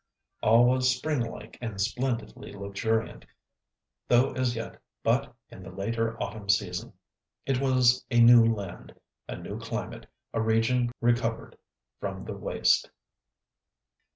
All was spring like and splendidly luxuriant, though as yet but in the later autumn season. It was a new land, a new climate, a region recovered from the waste.